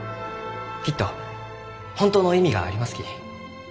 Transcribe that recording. きっと本当の意味がありますき。